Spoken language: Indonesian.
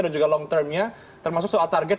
dan juga long term nya termasuk soal target